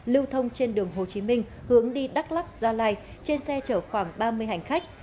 lưu thông trên đường hồ chí minh hướng đi đắk lắc gia lai trên xe chở khoảng ba mươi hành khách